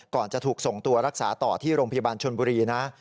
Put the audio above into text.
จะถูกส่งตัวรักษาต่อที่โรงพยาบาลชนบุรีนะ